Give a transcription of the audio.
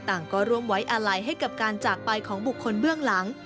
ก็ร่วมไว้อาลัยให้กับการจากไปของบุคคลเบื้องหลัง